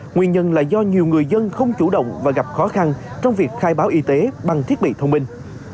nguyên nhân là do nhiều người dân không chủ động và gặp khó khăn trong việc khai báo y tế bằng thiết bị thông minh